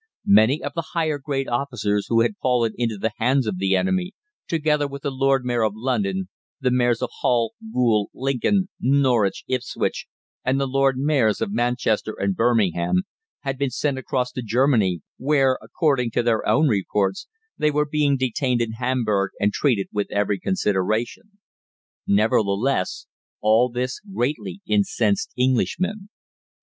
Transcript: Many of the higher grade officers who had fallen into the hands of the enemy, together with the Lord Mayor of London, the Mayors of Hull, Goole, Lincoln, Norwich, Ipswich, and the Lord Mayors of Manchester and Birmingham, had been sent across to Germany, where, according to their own reports, they were being detained in Hamburg and treated with every consideration. Nevertheless, all this greatly incensed Englishmen.